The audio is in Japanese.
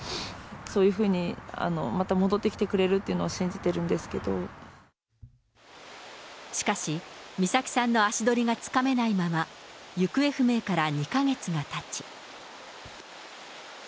そういうふうにまた戻ってきてくれるっていうのを信じてるんですしかし、美咲さんの足取りがつかめないまま、行方不明から２か月がたち。